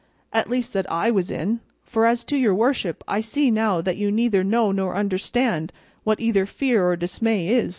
at least that I was in; for as to your worship I see now that you neither know nor understand what either fear or dismay is."